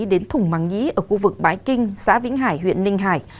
đến thủng mắng nhí ở khu vực bái kinh xã vĩnh hải huyện ninh hải